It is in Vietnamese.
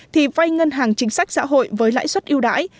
thì vay ngân hàng chính sách xã hội với lãi suất yêu đãi